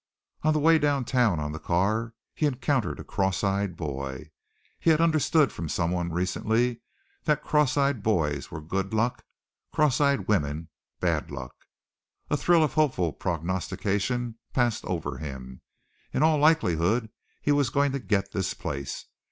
On the way down town on the car he encountered a cross eyed boy. He had understood from someone recently that cross eyed boys were good luck cross eyed women bad luck. A thrill of hopeful prognostication passed over him. In all likelihood he was going to get this place.